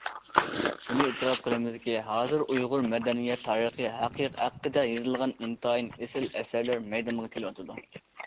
شۇنى ئېتىراپ قىلىمىزكى، ھازىر ئۇيغۇر مەدەنىيەت تارىخى ھەققىدە يېزىلغان ئىنتايىن ئېسىل ئەسەرلەر مەيدانغا كېلىۋاتىدۇ.